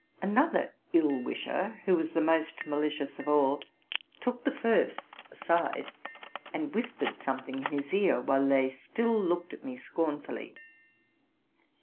Another ill wisher, who was the most malicious of all, took the first aside, and whispered something in his ear; while they still looked at me scornfully.